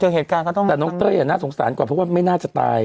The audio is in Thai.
เหตุการณ์ก็ต้องตายแต่น้องเต้ยน่าสงสารก่อนเพราะว่าไม่น่าจะตาย